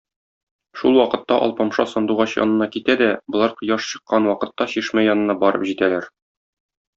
Шул вакытта Алпамша Сандугач янына китә дә, болар кояш чыккан вакытта чишмә янына барып җитәләр.